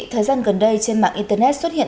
thời gian gần đây trên mạng internet xuất hiện